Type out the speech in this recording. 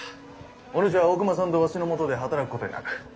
お主は大隈さんとわしの下で働くことになる。